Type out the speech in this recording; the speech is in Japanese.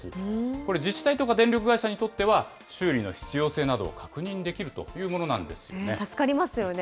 これ、自治体とか電力会社にとっては、修理の必要性などを確認で助かりますよね。